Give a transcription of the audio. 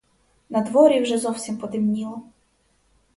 Надворі вже зовсім потемніло.